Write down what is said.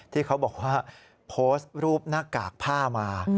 ที่เขาบอกว่าโพสต์รูปหน้ากากผ้ามา